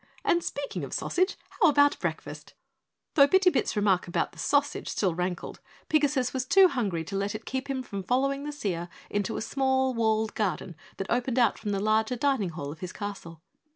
"And speaking of sausage, how about breakfast?" Though Bitty Bit's remark about the sausage still rankled, Pigasus was too hungry to let it keep him from following the seer into a small walled garden that opened out from the larger dining hall of his castle.